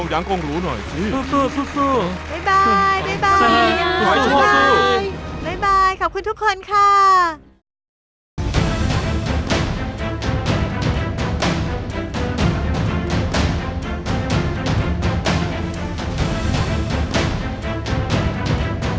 โปรดติดตามตอนต่อไป